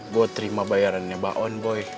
gue terima bayarannya bak on boy